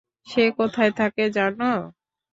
সে কোথায় থাকে জানো?